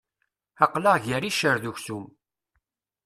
Aql-aɣ ger iccer d uksum.